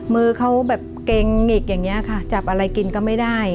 มือเค้าเกงหงิกจับอะไรกินก็ไม่ได้